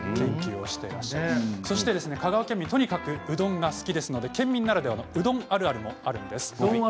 香川県民はうどんが好きですので県民ならではのうどんあるあるがあります。